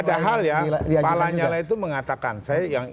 padahal ya pak lanyala itu mengatakan